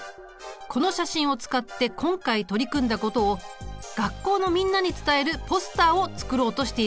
この写真を使って今回取り組んだことを学校のみんなに伝えるポスターを作ろうとしているんだ。